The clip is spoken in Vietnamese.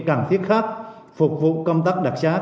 cảm thiết khác phục vụ công tác đặc sán